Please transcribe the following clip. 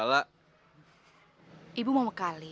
loh emangnya bu ustadz mau ke mana sih